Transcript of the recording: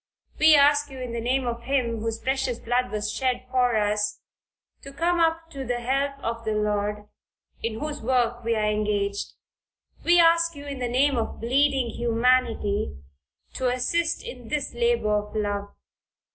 We ask you in the name of Him whose precious blood was shed for us, to come up to the help of the Lord, in whose work we are engaged. We ask you, in the name of bleeding humanity, to assist in this labor of love.